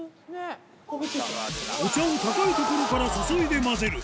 お茶を高い所から注いで混ぜる